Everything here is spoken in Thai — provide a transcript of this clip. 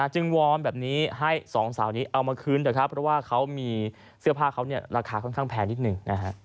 จึงวอร์มแบบนี้ให้สองสาวนี้เอามาคืนเพราะว่าเสื้อผ้าเขาราคาค่อนข้างแพงนิดนึง